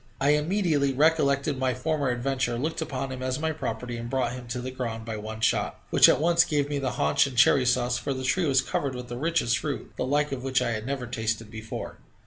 I immediately recollected my former adventure, looked upon him as my property, and brought him to the ground by one shot, which at once gave me the haunch and cherry sauce, for the tree was covered with the richest fruit, the like of which I had never tasted before.